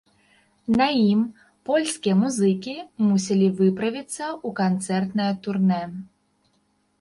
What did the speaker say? На ім польскія музыкі мусілі выправіцца ў канцэртнае турнэ.